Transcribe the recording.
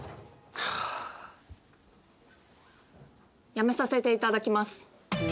辞めさせていただきます。